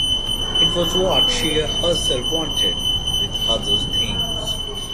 It was what she herself wanted — with other things.